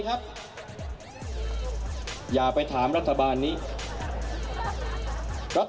รัฐบาลนี้ใช้วิธีปล่อยให้จนมา๔ปีปีที่๕ค่อยมาแจกเงิน